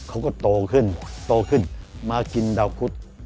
เขาก็โตขึ้นโตขึ้นมากินดาวคุด